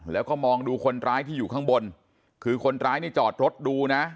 แล้วก็มองดูคนร้ายที่อยู่ข้างบนคือคนร้ายนี่จอดรถดูนะ